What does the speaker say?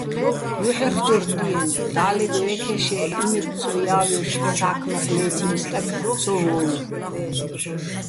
ჲუჰ̦ეხჯორ დიეჼო̆, და́ლეგ ვე́ქეშ-ე იმედ ცო ჲა́ვჲოშ სა́ქმოხ ლეთინი̆ სტაკ ცო ვოუ̆ვო̆.